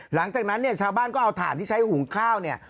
หลังจากนั้นเนี่ยชาวบ้านก็เอาถ่านที่ใช้หุงข้าวเนี่ย